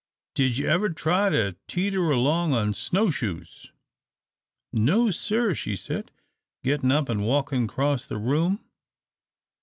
Did you ever try to teeter along on snow shoes?" "No, sir," she said, getting up and walking across the room.